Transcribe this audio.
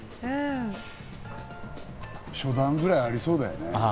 初段ぐらいありそうだよね。